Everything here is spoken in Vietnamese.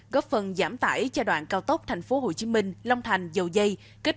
góp phần giảm tải giai đoạn cao tốc tp hcm long thành dầu dây kết